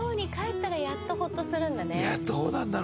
いやどうなんだろ？